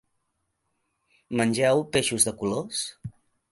Mengeu peixos de colors?